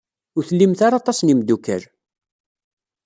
Ur tlimt ara aṭas n yimeddukal.